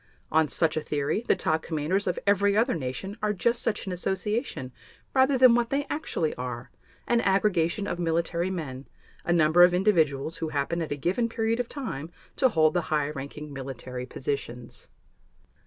On such a theory the top commanders of every other nation are just such an association rather than what they actually are, an aggregation of military men, a number of individuals who happen at a given period of time to hold the high ranking military positions.